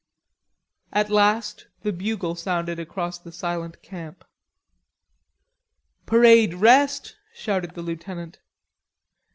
At last the bugle sounded across the silent camp. "Parade rest!" shouted the lieutenant.